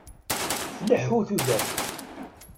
Tleḥḥu tudert.